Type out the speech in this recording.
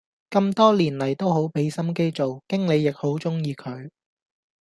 咁多年黎都好俾心機做，經理亦好鍾意佢